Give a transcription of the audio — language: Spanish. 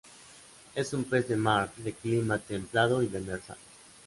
Es un pez de mar, de clima templado y demersal.